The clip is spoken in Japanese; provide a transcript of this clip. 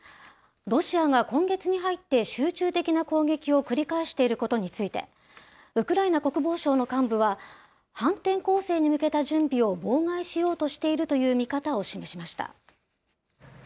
ロシアが今月に入って集中的な攻撃を繰り返していることについて、ウクライナ国防省の幹部は、反転攻勢に向けた準備を妨害しようとしているという見方を示しました。